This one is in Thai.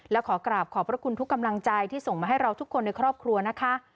และขอกราบขอบพระคุณทุกกำลังใจที่ส่งมาให้เราทุกคนในครอบครัวนะคะ